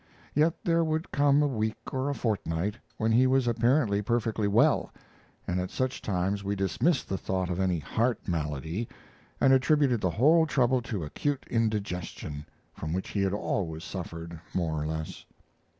Yet there would come a week or a fortnight when he was apparently perfectly well, and at such times we dismissed the thought of any heart malady, and attributed the whole trouble to acute indigestion, from which he had always suffered more or less.